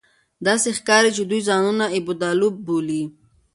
داسې ښکاري چې دوی ځانونه اېبودالو بولي